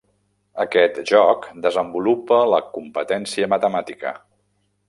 Aquest joc desenvolupa la competència matemàtica.